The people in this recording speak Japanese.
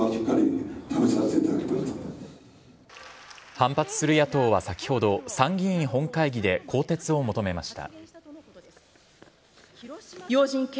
反発する野党は先ほど、参議院本会議で更迭を求めました。